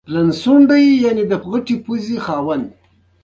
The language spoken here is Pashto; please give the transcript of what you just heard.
تودوخه د افغانستان د ځانګړي ډول جغرافیه استازیتوب کوي.